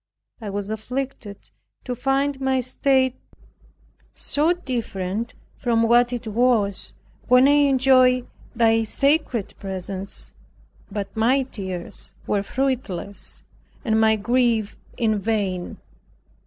I was afflicted to find my state so different from what it was when I enjoyed Thy sacred presence; but my tears were fruitless and my grief in vain.